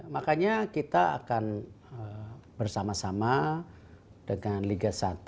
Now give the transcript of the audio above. makanya kita akan bersama sama dengan liga satu